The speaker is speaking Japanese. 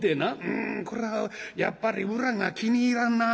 『うんこれはやっぱり裏が気に入らんな』とかな